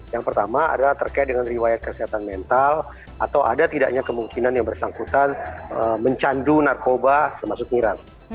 yang pertama adalah terkait dengan riwayat kesehatan mental atau ada tidaknya kemungkinan yang bersangkutan mencandu narkoba termasuk miran